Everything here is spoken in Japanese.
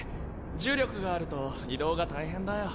重力があると移動が大変だよ。